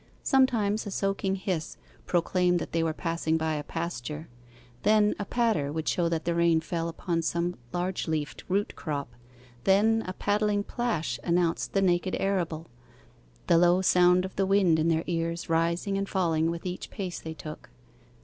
Sometimes a soaking hiss proclaimed that they were passing by a pasture, then a patter would show that the rain fell upon some large leafed root crop, then a paddling plash announced the naked arable, the low sound of the wind in their ears rising and falling with each pace they took.